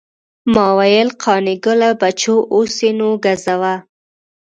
ما ویل قانع ګله بچو اوس یې نو ګزوه.